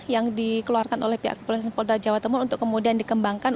yang dikeluarkan oleh pihak kepolisian polda jawa timur untuk kemudian dikembangkan